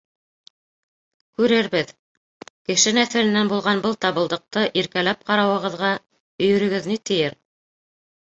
Күрербеҙ, кеше нәҫеленән булған был табылдыҡты иркәләп ҡарауығыҙға өйөрөгөҙ ни тиер?